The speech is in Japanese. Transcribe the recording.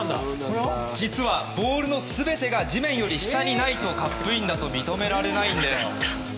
実は、ボールの全てが地面より下にないとカップインだと認められないんです。